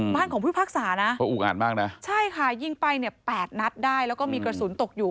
บ้านของผู้ยพากษานะใช่ค่ะยิงไปแปดนัดได้แล้วก็มีกระสุนตกอยู่